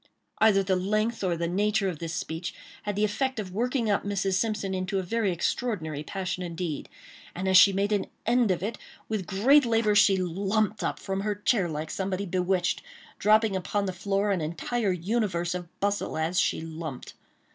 Either the length or the nature of this speech, had the effect of working up Mrs. Simpson into a very extraordinary passion indeed; and as she made an end of it, with great labor, she jumped up from her chair like somebody bewitched, dropping upon the floor an entire universe of bustle as she jumped.